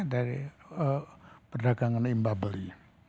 dari perdagangan imba beli